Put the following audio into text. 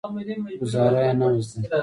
ګوزارا یې نه وه زده.